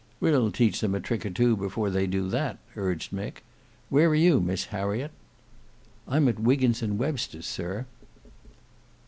"We'll teach them a trick or two before they do that," urged Mick. "Where are you, Miss Harriet?" "I'm at Wiggins and Webster's, sir."